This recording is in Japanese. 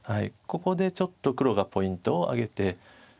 ここでちょっと黒がポイントを挙げて。